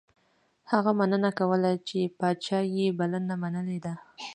هغه مننه کوله چې پاچا یې بلنه منلې ده.